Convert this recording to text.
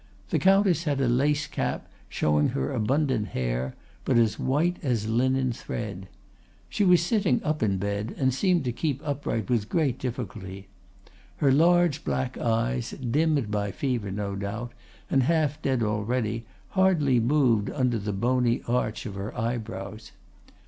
The Countess had a lace cap showing her abundant hair, but as white as linen thread. She was sitting up in bed, and seemed to keep upright with great difficulty. Her large black eyes, dimmed by fever, no doubt, and half dead already, hardly moved under the bony arch of her eyebrows.